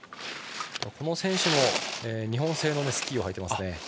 この選手も日本製のスキーをはいています。